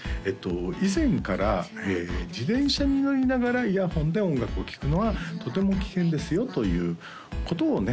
以前から自転車に乗りながらイヤホンで音楽を聴くのはとても危険ですよということをね